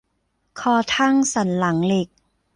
คอทั่งสันหลังเหล็ก